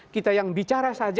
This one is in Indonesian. kita yang bicara saja